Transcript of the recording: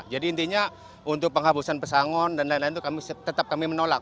jadi intinya untuk penghabusan pesangon dan lain lain itu tetap kami menolak